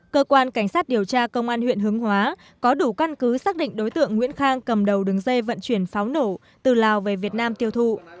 cơ quan cảnh sát điều tra công an huyện hướng hóa có đủ căn cứ xác định đối tượng nguyễn khang cầm đầu đường dây vận chuyển pháo nổ từ lào về việt nam tiêu thụ